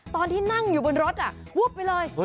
ตอนที่นั่งอยู่บนรถวูบไปเลย